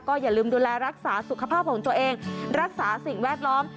อย่าลืมดูแลรักษาสุขภาพของตัวเองรักษาสิ่งแวดล้อม